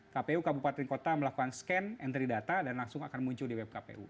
kpu kabupaten kota melakukan scan entry data dan langsung akan muncul di web kpu